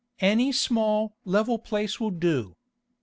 "Any small, level place will do.